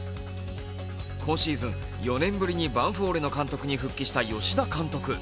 今シーズン４年ぶりにヴァンフォーレの監督に復帰した吉田監督。